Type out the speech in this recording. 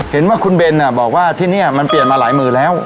เห็นว่าคุณเบนบอกว่าที่นี่มันเปลี่ยนมาหลายมือแล้ว